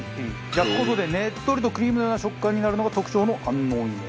焼く事でねっとりとクリームのような食感になるのが特徴の安納芋。